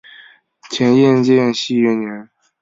前燕建熙元年。